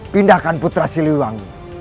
pindahkan putra si lewangi